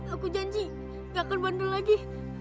aku janji gak akan bandul lagi